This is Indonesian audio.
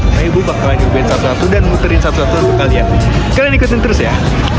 karena ibu bakalan juga satu satu dan muterin satu satu kalian kalian ikutin terus ya